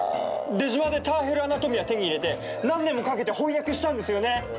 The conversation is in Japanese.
出島で『ターヘルアナトミア』手に入れて何年もかけて翻訳したんですよね？